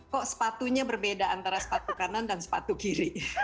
kok sepatunya berbeda antara sepatu kanan dan sepatu kiri